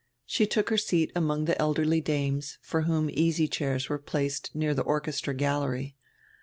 She took her seat among die elderly dames, for whom easy chairs were placed near die orchestra gallery.